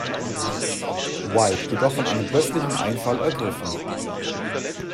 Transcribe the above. White jedoch von einem plötzlichen Einfall ergriffen.